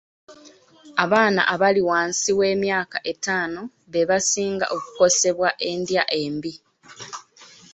Abaana abali wansi w'emyaka etaano be basinga okukosebwa endya embi.